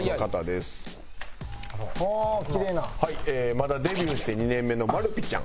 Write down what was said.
まだデビューして２年目のまるぴちゃん。